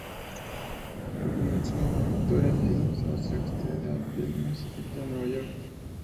Cooper comenzó como actor en Lee Strasberg Theatre and Film Institute en Nueva York.